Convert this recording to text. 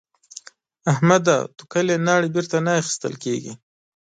احمده؛ توکلې ناړې بېرته نه اخيستل کېږي.